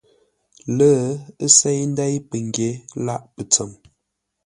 Lə́, ə́ séi ndéi pəgyě lâʼ pətsəm.